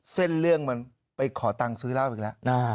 เส้นเรื่องมันไปขอตังค์ซื้อเหล้าอีกแล้ว